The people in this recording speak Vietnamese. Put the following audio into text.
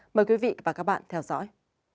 mời quý vị và các bạn theo dõi